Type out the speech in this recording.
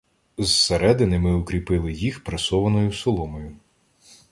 Зсередини ми укріпили їх пресованою соломою.